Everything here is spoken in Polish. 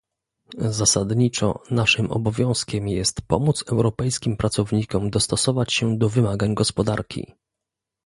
Zasadniczo naszym obowiązkiem jest pomóc europejskim pracownikom dostosować się do wymagań gospodarki